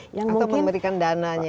atau memberikan dananya